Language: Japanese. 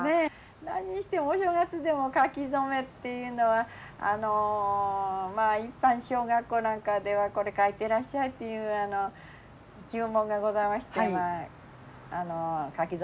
何にしてもお正月でも書き初めっていうのは一般小学校なんかではこれ書いてらっしゃいっていう注文がございまして書き初めいたしますね。